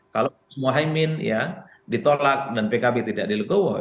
kalau gus mohaimin ditolak dan pkb tidak dilukuh